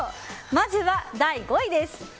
まずは第５位です。